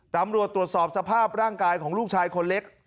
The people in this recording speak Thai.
ตำรวจตรวจสอบสภาพร่างกายของลูกชายคนเล็ก